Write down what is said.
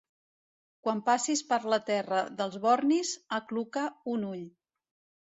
Quan passis per la terra dels bornis, acluca un ull.